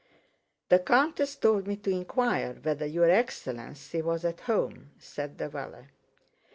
"The countess told me to inquire whether your excellency was at home," said the valet.